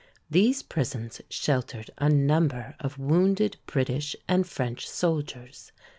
These prisons sheltered a number of wounded British and French soldiers.